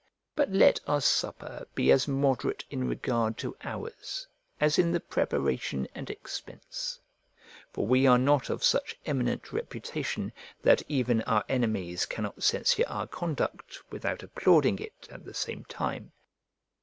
But let our supper be as moderate in regard to hours as in the preparation and expense: for we are not of such eminent reputation that even our enemies cannot censure our conduct without applauding it at the same time.